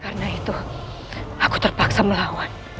karena itu aku terpaksa melawan